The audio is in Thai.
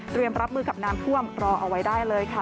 รับมือกับน้ำท่วมรอเอาไว้ได้เลยค่ะ